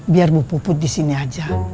biar bu puput di sini aja